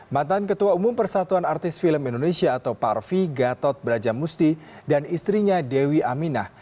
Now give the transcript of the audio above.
mantan ketua umum persatuan artis film indonesia atau parvi gatot brajamusti dan istrinya dewi aminah